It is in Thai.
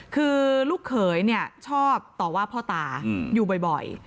คือลูกเขยชอบต่อว่าพ่อตาอยู่บ่อย